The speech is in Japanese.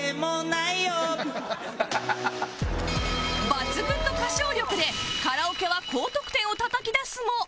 抜群の歌唱力でカラオケは高得点をたたき出すも